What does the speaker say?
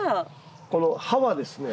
この「ハ」はですね